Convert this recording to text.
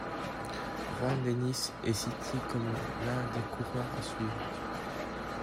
Rohan Dennis est cité comme l'un des coureurs à suivre.